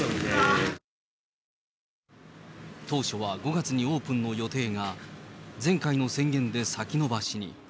当初は５月にオープンの予定が、前回の宣言で先延ばしに。